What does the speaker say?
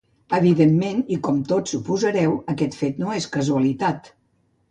Evidentment i com tots suposareu, aquest fet no és casualitat.